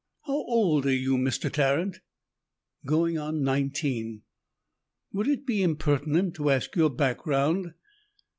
"How old are you, Mr. Tarrant?" "Going on nineteen." "Would it be impertinent to ask your background?"